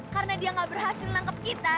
karena dia gak berhasil menangkep kita